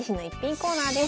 コーナーです。